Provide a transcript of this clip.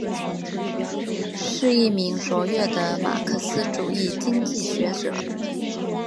是一名卓越的马克思主义经济学者。